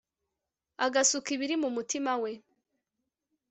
agasuka ibiri mu mutima we